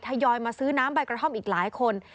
ทยอยมาซื้อน้ำใบกระท่อมอีกหลายคน